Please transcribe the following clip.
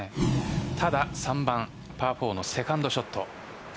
ただ３番パー４のセカンドショット。